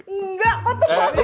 iya enggak kok tuh keras